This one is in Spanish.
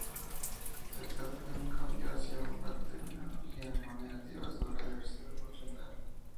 Se trata de un cambio hacia una terminología no negativa sobre la diversidad funcional.